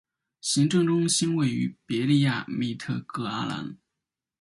行政中心位于别利亚米特格阿兰。